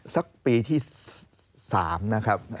สักปีที่๓นะครับ